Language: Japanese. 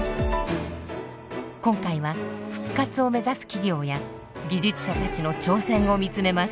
今回は復活を目指す企業や技術者たちの挑戦を見つめます。